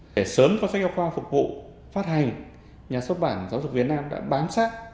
để sớm có sách giáo khoa phục vụ phát hành nhà xuất bản giáo dục việt nam đã bám sát